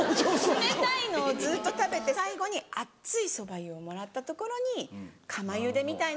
冷たいのをずっと食べて最後にあっついそば湯をもらったところに釜ゆでみたいな感じで。